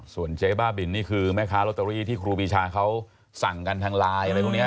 ส่วนเจ๊บ้าบินนี่คือแม่ค้าลอตเตอรี่ที่ครูปีชาเขาสั่งกันทางไลน์อะไรพวกนี้